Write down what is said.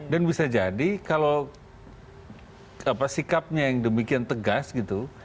bisa jadi kalau sikapnya yang demikian tegas gitu